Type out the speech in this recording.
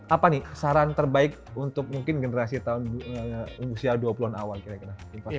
apa nih saran terbaik untuk mungkin generasi tahun usia dua puluh an awal kira kira